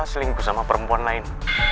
selingkuh sama perempuan lain